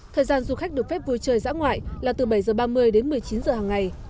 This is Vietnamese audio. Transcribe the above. thời gian du khách được phép vui chơi dã ngoại là từ bảy h ba mươi đến một mươi chín h hàng ngày